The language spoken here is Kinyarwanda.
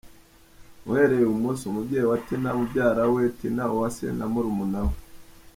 Uhereye i Bumoso; Umubyeyi wa Tina, mubyara we, Tina Uwase na murumuna we.